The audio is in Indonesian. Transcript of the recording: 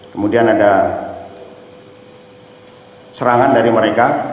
kemudian ada serangan dari mereka